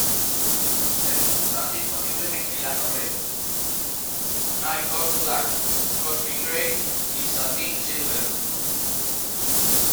Estos estaban disponibles en Milano Red, Nighthawk Black, Cosmic Grey y Satin Silver.